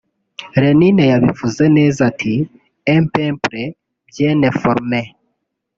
Lenine yabivuze neza ati “un peuple bien informé